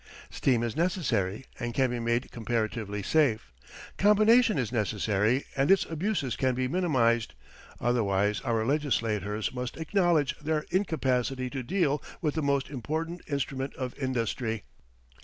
Steam is necessary and can be made comparatively safe. Combination is necessary and its abuses can be minimized; otherwise our legislators must acknowledge their incapacity to deal with the most important instrument of industry.